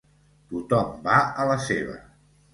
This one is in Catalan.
Tothom va a la seva.